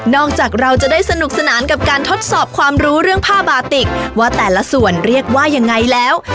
จากเราจะได้สนุกสนานกับการทดสอบความรู้เรื่องผ้าบาติกว่าแต่ละส่วนเรียกว่ายังไงแล้ว